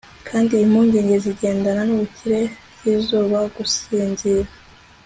kandi impungenge zigendana n'ubukire zibuza gusinzira